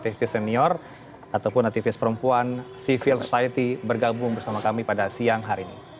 aktivis senior ataupun aktivis perempuan civil society bergabung bersama kami pada siang hari ini